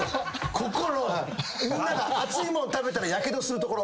ここのみんなが熱いもん食べたらやけどするところ。